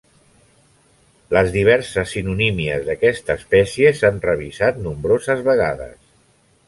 Les diverses sinonímies d'aquesta espècie s'han revisat nombroses vegades.